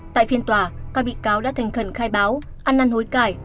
tại phiên tòa các bị cáo đã thành khẩn khai báo ăn năn hối cải